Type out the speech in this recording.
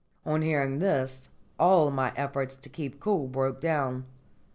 On hearing this all my efforts to keep cool broke down.